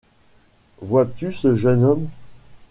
Vois-tu ce jeune homme ?